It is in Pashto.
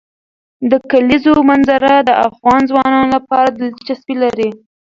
د کلیزو منظره د افغان ځوانانو لپاره دلچسپي لري.